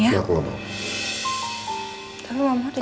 iya aku gak mau